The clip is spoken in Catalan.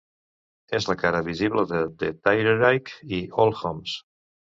És la cara visible de Tyreright i Allhomes.